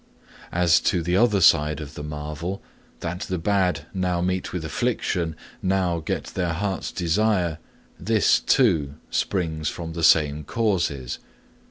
'As to the other side of the marvel, that the bad now meet with affliction, now get their hearts' desire, this, too, springs from the same causes.